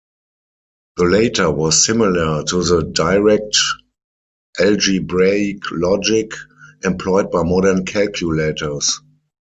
The later was similar to the Direct algebraic logic employed by modern calculators.